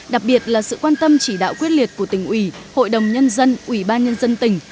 đặc biệt là sự quan tâm chỉ đạo quyết liệt của tỉnh ủy hội đồng nhân dân ủy ban nhân dân tỉnh